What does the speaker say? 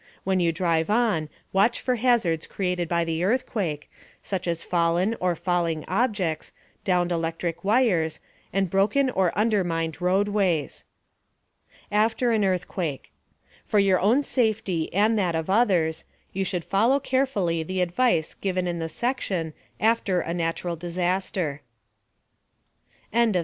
When you drive on, watch for hazards created by the earthquake, such as fallen or falling objects, downed electric wires, and broken or undermined roadways. AFTER AN EARTHQUAKE For your own safety and that of others, you should follow carefully the advice given in the section, "After a Natural Disaster" (page 73).